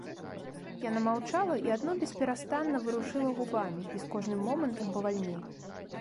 Яна маўчала і адно бесперастанна варушыла губамі і з кожным момантам павальней.